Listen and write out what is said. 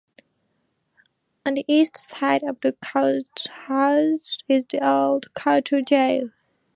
On the east side of the courthouse is the old county jail.